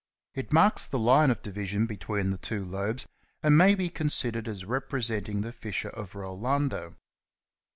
It marks the line of division between the two lobes, and may be considered as representing the fissure of Rolando.